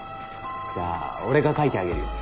じゃあ俺が描いてあげるよ。